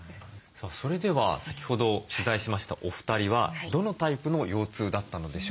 それでは先ほど取材しましたお二人はどのタイプの腰痛だったのでしょうか。